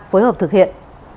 phối hợp thực hiện